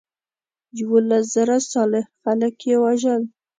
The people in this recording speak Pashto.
یولس زره صالح خلک یې وژل.